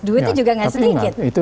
duitnya juga nggak sedikit